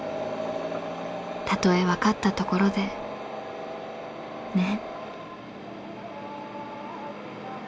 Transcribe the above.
たとえわかったところでねえ。